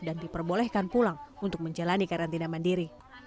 dan diperbolehkan pulang untuk menjalani karantina mandiri